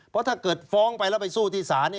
เพราะถ้าเกิดฟ้องไปแล้วไปสู้ที่ศาล